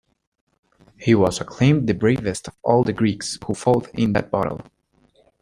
He was acclaimed the bravest of all the Greeks who fought in that battle.